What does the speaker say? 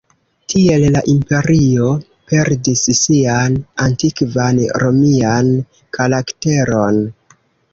Tiel la imperio perdis sian antikvan romian karakteron.